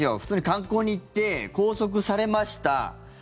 観光に行って拘束されました。